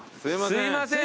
すいません。